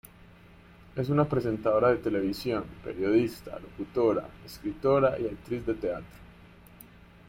Es una presentadora de televisión, periodista, locutora, escritora y actriz de teatro.